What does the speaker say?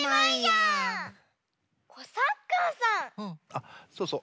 あっそうそう。